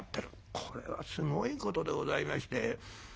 これはすごいことでございまして。